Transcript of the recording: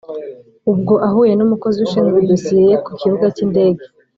Ubwo ahuye n umukozi ushinzwe idosiye ye ku kibuga cy indege